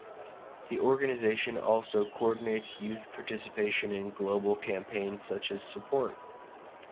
The organization also coordinates youth participation in global campaigns such as Support.